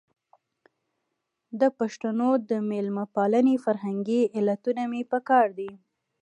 د پښتنو د مېلمه پالنې فرهنګي علتونه مې په کار دي.